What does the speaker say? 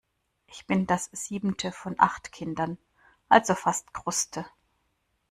Ich bin das siebente von acht Kindern, also fast Kruste.